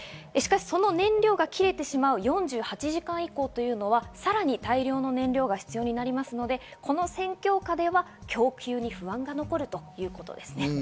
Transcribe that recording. しかしその燃料が切れてしまう４８時間以降というのは、さらに大量の燃料が必要になりますので、この戦況下では供給に不安が残るということですね。